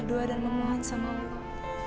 doa dan memohon sama allah